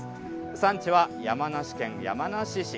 産地は山梨県山梨市。